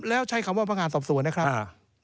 แล้วใช้คำว่าพนักงานสอบสวนนะครับ